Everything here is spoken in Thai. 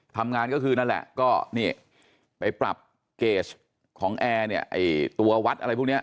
ทำงานก็คือนั่นแหละก็นี่ไปปรับเกรสของแอร์เนี่ยไอ้ตัววัดอะไรพวกนี้